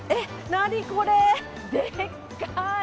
何これ、でっかい！